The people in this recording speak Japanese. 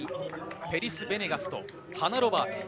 ペリス・ベネガスとハナ・ロバーツ。